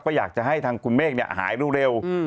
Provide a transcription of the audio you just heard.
ก็อยากจะให้ทางคุณเมฆหายเร็ว